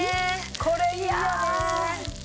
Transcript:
これいいよね。